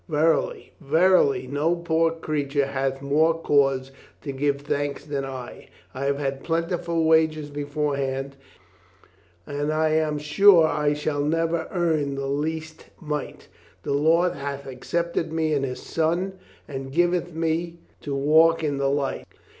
Verily, verily, no poor creature hath more cause to give thanks than L I have had plentiful wages beforehand, and I am sure I shall never earn the least mite. The Lord hath accepted me in His Son and given me to walk in the light.